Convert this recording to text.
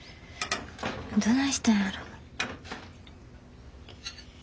どないしたんやろ。